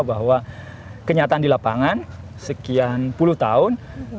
bahwa kenyataan di lapangan sekian puluh tahun